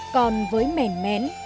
còn với mẻn mén